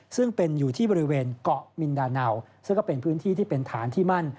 ซึ่งเป็นอยู่ที่บริเวณเกาะมินดาเนาซึ่งก็เป็นพื้นที่ที่เป็นฐานที่มั่น